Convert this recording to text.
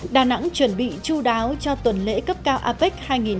đà nẵng chuẩn bị chú đáo cho tuần lễ cấp cao apec hai nghìn một mươi bảy